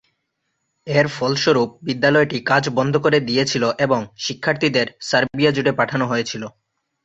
এর ফলস্বরূপ, বিদ্যালয়টি কাজ বন্ধ করে দিয়েছিল এবং শিক্ষার্থীদের সার্বিয়া জুড়ে পাঠানো হয়েছিল।